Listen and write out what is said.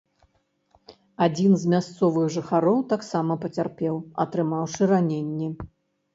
Адзін з мясцовых жыхароў таксама пацярпеў, атрымаўшы раненні.